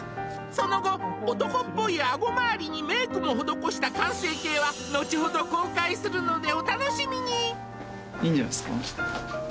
その後男っぽいあご周りにメイクも施した完成形は後ほど公開するのでお楽しみにいいんじゃないですか？